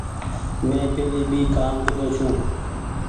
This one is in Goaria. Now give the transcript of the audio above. من پهلي ڀي ڪآم ڪيۮو ڇو۔